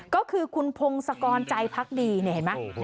ก็คือคุณพงศกรใจพักดีเนี่ยเห็นไหม